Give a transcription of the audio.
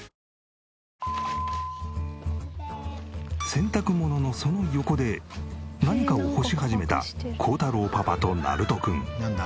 洗濯物のその横で何かを干し始めた耕太郎パパとなると君。